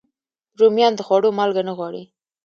رومیان د خوړو مالګه نه غواړي